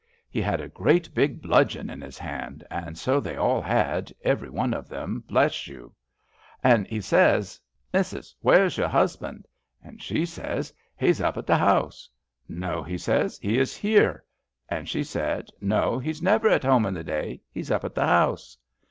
He had a great big bludgeon in his hand, and so they all had, everyone of them, bless you I 76 GRANNY HOBBS An' he says :' Missus where*s your husband ?' And she says :* He's up at the House.' * No,' he says, * he is here !' And she said, *No, he's never at home in the day, he's up at the House.'